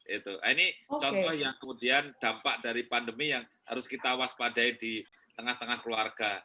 ini contoh yang kemudian dampak dari pandemi yang harus kita waspadai di tengah tengah keluarga